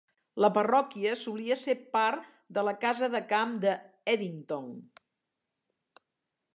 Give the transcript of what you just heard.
La parròquia solia ser part de la casa de camp d'Headington.